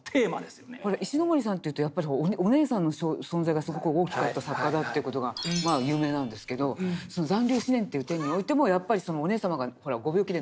石森さんというとやっぱりお姉さんの存在がすごく大きかった作家だという事がまあ有名なんですけどその残留思念という点においてもやっぱりそのお姉さまがご病気で亡くなっちゃうと。